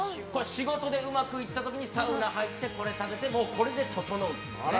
仕事でうまくいった時にサウナに入ってこれを食べてこれでととのうっていう。